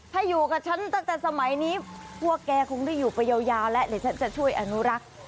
ถ้าอยู่กับฉันตั้งแต่สมัยนี้พวกแกคงได้อยู่ไปยาวแล้วเดี๋ยวฉันจะช่วยอนุรักษ์